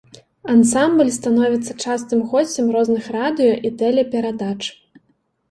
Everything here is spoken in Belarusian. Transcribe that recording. Ансамбль становіцца частым госцем розных радыё і тэлеперадач.